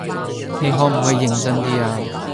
你可唔可以認真 D 呀？